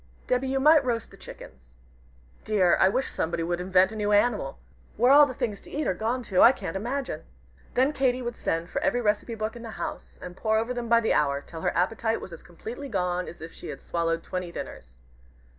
Debby, you might roast the chickens. Dear! I wish somebody would invent a new animal! Where all the things to eat are gone to, I can't imagine!" Then Katy would send for every recipe book in the house, and pore over them by the hour, till her appetite was as completely gone as if she had swallowed twenty dinners.